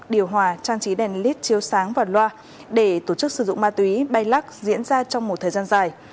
điều hòa trang trí đèn led chiếu sáng và loa để tổ chức sử dụng ma túy bay lắc diễn ra trong một thời gian dài